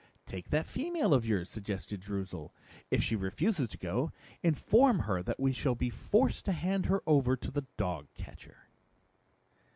"Take that female of yours," suggested Droozle. "If she refuses to go, inform her that we shall be forced to hand her over to the dog catcher."